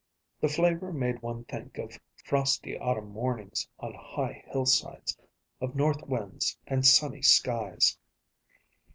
The flavor made one think of frosty autumn mornings on high hillsides, of north winds and sunny skies.